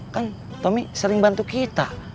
kan tommy sering bantu kita